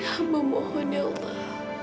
aku mohon ya allah